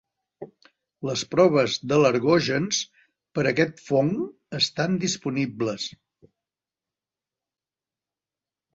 Les proves d'al·lergògens per aquest fong estan disponibles.